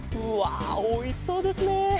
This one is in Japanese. うわおいしそうですね。